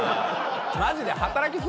マジで。